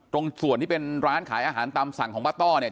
ตรงส่วนที่เป็นร้านขายอาหารตามสั่งของป้าต้อเนี่ย